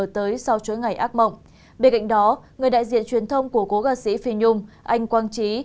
trước đó người đại diện truyền thông của cố ca sĩ phi nhung anh quang trí